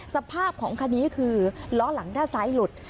สภาพของคันนี้คือล้อหลังด้านซ้ายหลุด